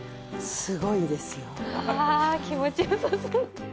うわあ気持ち良さそう。